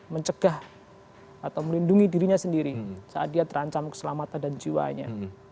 mencegah atau melindungi dirinya sendiri saat dia terancam keselamatan dan jiwanya